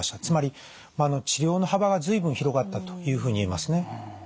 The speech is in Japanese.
つまり治療の幅が随分広がったというふうに言えますね。